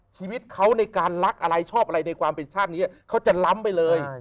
ชีวิตเขาในการรักอะไรชอบอะไรในความเป็นชาตินี้เขาจะล้ำไปเลย